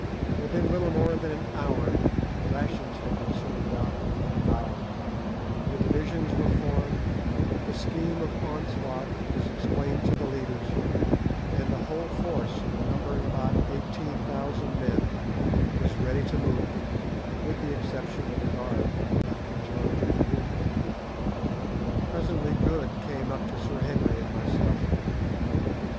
Within little more than an hour rations had been served out and devoured, the divisions were formed, the scheme of onslaught was explained to the leaders, and the whole force, numbering about 18,000 men, was ready to move, with the exception of a guard left in charge of the wounded. Presently Good came up to Sir Henry and myself.